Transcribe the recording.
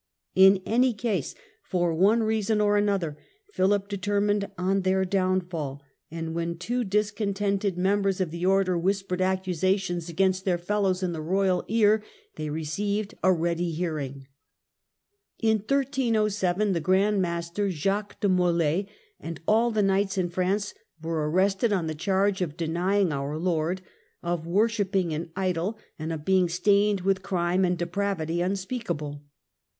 In any case, for one reason or another Philip determined on their downfall, and when two discontented members of 62 THE END OF THE MIDDLE AGE the Order whispered accusations against their fellows in the royal ear, they received a ready hearing. In 1307 the Grand Master, Jacques de Molai, and all the Knights in France were arrested on the charge of denying our Lord, of worshipping an idol, and of being stained with crime and depravity unspeakable.